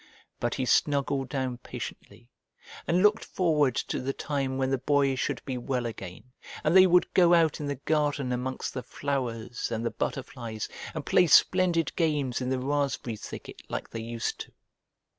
But he snuggled down patiently, and looked forward to the time when the Boy should be well again, and they would go out in the garden amongst the flowers and the butterflies and play splendid games in the raspberry thicket like they used to.